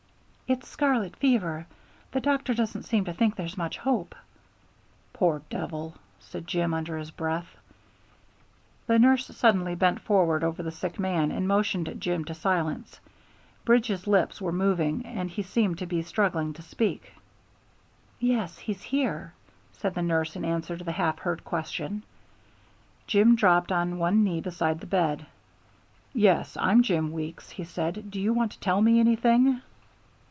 "It's scarlet fever. The doctor doesn't seem to think there's much hope." "Poor devil," said Jim under his breath. The nurse suddenly bent forward over the sick man, and motioned Jim to silence. Bridge's lips were moving and he seemed to be struggling to speak. "Yes, he's here," said the nurse in answer to the half heard question. Jim dropped on one knee beside the bed. "Yes, I'm Jim Weeks," he said. "Do you want to tell me anything?"